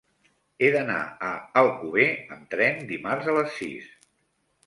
He d'anar a Alcover amb tren dimarts a les sis.